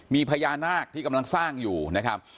มีพญานาคที่กำลังสร้างอยู่นะครับ